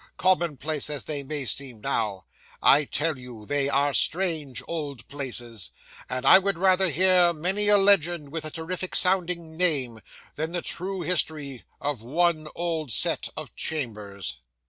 Common place as they may seem now, I tell you they are strange old places, and I would rather hear many a legend with a terrific sounding name, than the true history of one old set of chambers.